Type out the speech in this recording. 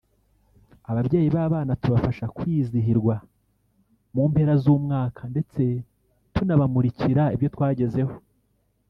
ababyeyi b’abana tubafasha kwizihirwa mu mpera z’umwaka ndetse tunabamurikira ibyo twagezeho”